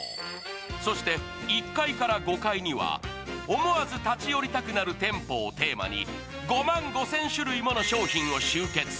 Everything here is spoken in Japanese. そして１階から５階には、思わず立ち寄りたくなる店舗をテーマに５万５０００種類もの商品を集結。